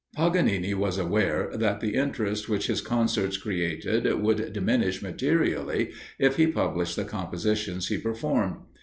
Paganini was aware that the interest which his concerts created would diminish materially, if he published the compositions he performed.